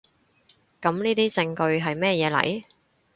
噉呢啲證據喺乜嘢嚟？